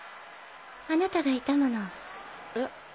あなたがいたもの。え？